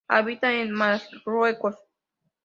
Habita en Marruecos.